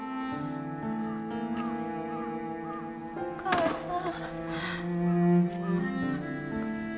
お母さん